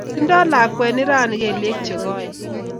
Tindoi lakwet nirani kelyek chegoen